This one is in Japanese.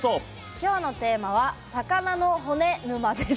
今日のテーマは「魚の骨沼」です。